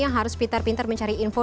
yang harus pintar pintar mencari info